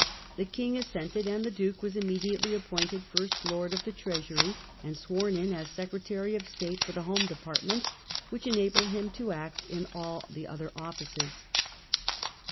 The King assented, and the Duke waa immediately appointed First Lord of the 246 WELLINGTON . chap. Treasury, and sworn in as Secretary of State for the Home Department, which enabled him to act in all the other offices.